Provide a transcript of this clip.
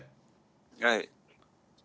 はい。